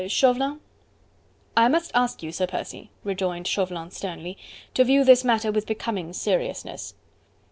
Chauvelin?" "I must ask you, Sir Percy," rejoined Chauvelin sternly, "to view this matter with becoming seriousness."